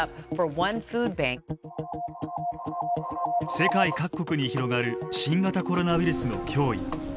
世界各国に広がる新型コロナウイルスの脅威。